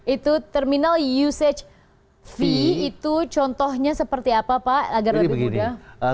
itu terminal usage fee itu contohnya seperti apa pak agar lebih mudah